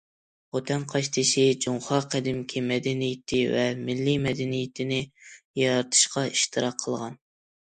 خوتەن قاشتېشى جۇڭخۇا قەدىمكى مەدەنىيىتى ۋە مىللىي مەدەنىيىتىنى يارىتىشقا ئىشتىراك قىلغان.